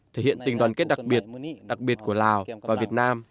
thể hiện tình đoàn kết đặc biệt đặc biệt của lào và việt nam